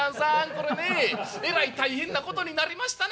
これねえらい大変なことになりましたな。